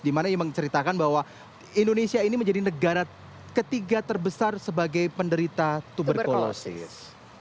dimana ia menceritakan bahwa indonesia ini menjadi negara ketiga terbesar sebagai penderita tuberkulosis